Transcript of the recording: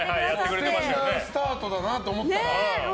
素敵なスタートだなと思ったら。